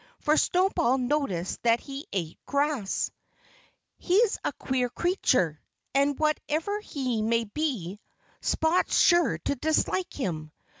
For Snowball noticed that he ate grass. "He's a queer creature. And whatever he may be, Spot's sure to dislike him.